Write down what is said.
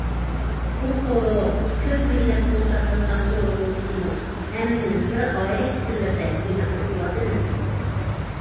بۇ قورۇ كۆپ مىللەت ئولتۇراقلاشقان قورۇ بولسىمۇ، ھەممىمىز بىر ئائىلە كىشىلىرىدەك ئىناق ئۆتۈۋاتىمىز.